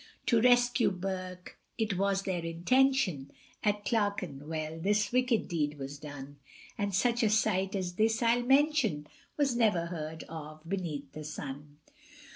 To rescue Burke it was their intention, At Clerkenwell this wicked deed was done, And such a sight as this I'll mention, Was never heard of beneath the sun.